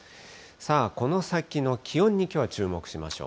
この先の気温にきょうは注目しましょう。